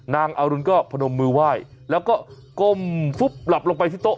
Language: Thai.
อรุณก็พนมมือไหว้แล้วก็ก้มฟุบหลับลงไปที่โต๊